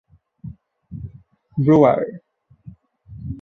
Brouwer.